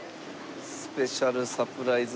スペシャルサプライズ